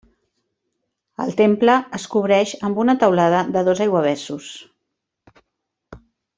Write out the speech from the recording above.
El temple es cobreix amb una teulada de dos aiguavessos.